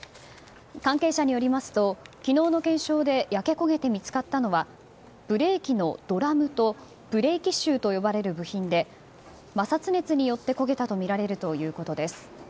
関係者によりますと昨日の検証で焼け焦げて見つかったのは見つかったのはブレーキのドラムとブレーキシューと呼ばれる部品で摩擦熱によって焦げたとみられるということです。